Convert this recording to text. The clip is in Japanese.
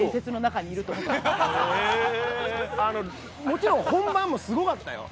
もちろん本番もすごかったよ。